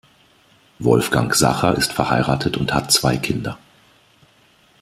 Wolfgang Sacher ist verheiratet und hat zwei Kinder.